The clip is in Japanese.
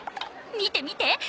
見て見て！